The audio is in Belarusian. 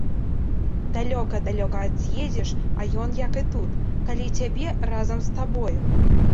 Далёка, далёка ад'едзеш, а ён як і тут, каля цябе, разам з табою.